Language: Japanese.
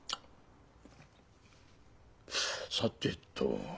さてと。